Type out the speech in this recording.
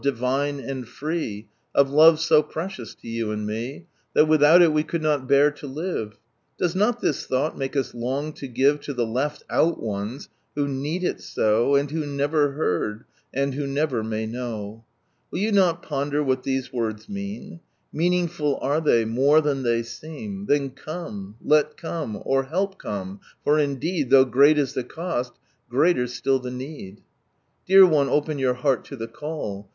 Divine, an<l free, or Love so precious lo you and me, That wilhoul it we could not bear l< Docs not this thought make U!t long To the left out ones, who need it so Arul who never bciiril, and who never mAy knc Will you not ponder what these words n Mcaningrul are they, i Then come, let come, or help come; for Indeed, Though great is the cost, gi^aler still the need. Dear one, open your heart (o the call.